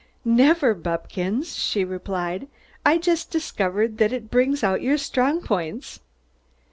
"Never, Buppkins!" she replied. "I just discovered that it brings out your strong points."